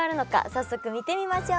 早速見てみましょう。